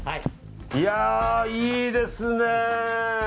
いや、いいですね。